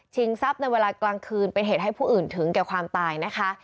ทรัพย์ในเวลากลางคืนเป็นเหตุให้ผู้อื่นถึงแก่ความตายนะคะ